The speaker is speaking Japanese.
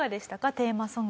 テーマソング。